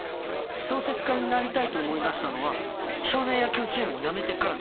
小説家になりたいと思いだしたのは少年野球チームを辞めてからだって。